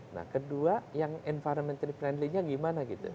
nah kedua yang environmental friendly nya gimana gitu